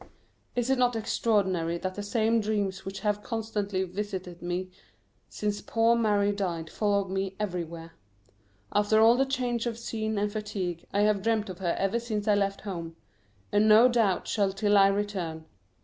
Is it not extraordinary that the same dreams which have constantly visited me since poor Mary died follow me everywhere? After all the change of scene and fatigue, I have dreamt of her ever since I left home, and no doubt shall till I return.